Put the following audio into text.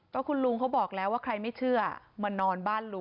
ก็คุณลุงเขาบอกแล้วว่าใครไม่เชื่อมานอนบ้านลุง